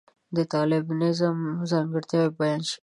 د طالبانیزم ځانګړنې بیان شوې دي.